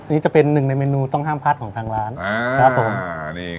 นี่จะเป็นหนึ่งในเมนูต้องห้ามพลาดของทางร้านอ่าครับผม